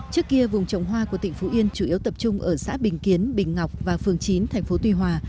trước kia vùng trồng hoa của tỉnh phú yên chủ yếu tập trung ở xã bình kiến bình ngọc và phường chín thành phố tuy hòa